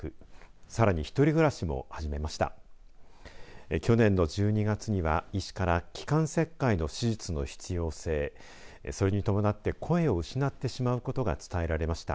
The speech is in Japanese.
さらに１人暮らしも始めました。